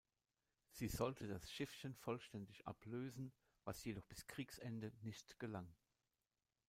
Sie sollte das Schiffchen vollständig ablösen, was jedoch bis Kriegsende nicht gelang.